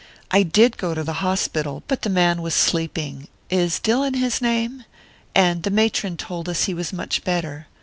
I did go to the hospital; but the man was sleeping is Dillon his name? and the matron told us he was much better.